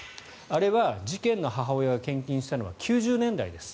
あれは事件の母親が献金したのは９０年代です。